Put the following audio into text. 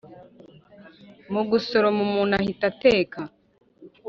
mu gusoroma umuntu ahita ateka.